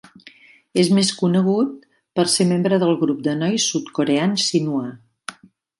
És més conegut per ser membre del grup de nois sud-coreans Shinhwa.